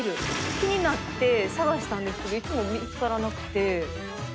気になって探したんですがいつも見つからなくて。